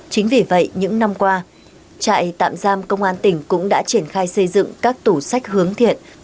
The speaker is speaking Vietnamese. chính vì vậy những năm qua trại tạm giam công an tỉnh cũng đã triển khai xây dựng các tủ sách hướng thiện